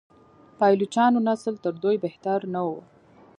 پایلوچانو نسل تر دوی بهتر نه و.